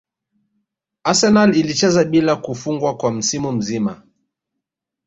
Arsenal ilicheza bila kufungwa kwa msimu mzima